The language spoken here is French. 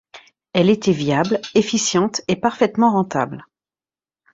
Elle était viable, efficiente et parfaitement rentable.